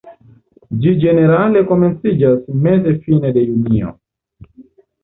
Ĝi ĝenerale komenciĝas meze-fine de junio.